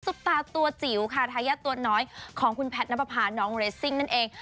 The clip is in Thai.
ตาตัวจิ๋วค่ะทายาทตัวน้อยของคุณแพทย์นับประพาน้องเรสซิ่งนั่นเอง